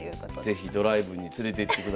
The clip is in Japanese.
是非ドライブに連れてってください。